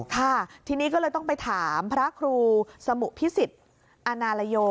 ค่ะทีนี้ก็เลยต้องไปถามพระครูสมุพิสิทธิ์อาณาลโย